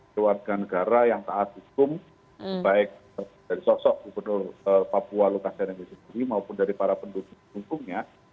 keluarga negara yang taat hukum baik dari sosok gubernur papua lukas nmb sendiri maupun dari para pendukungnya